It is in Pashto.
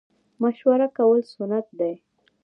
مشوره کول سنت دي